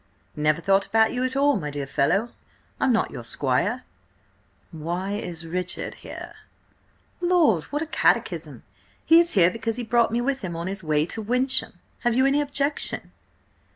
"Never thought about you at all, my dear fellow. I'm not your squire." "Why is Richard here?" "Lord, what a catechism! He is here because he brought me with him on his way to Wyncham. Have you any objection?"